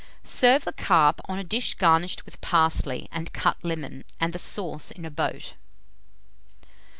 Serve the carp on a dish garnished with parsley and cut lemon, and the sauce in a boat.